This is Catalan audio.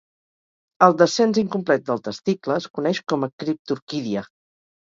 El descens incomplet del testicle es coneix com a criptorquídia.